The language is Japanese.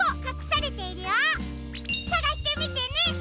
さがしてみてね！